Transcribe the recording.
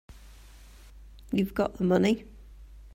You've got the money.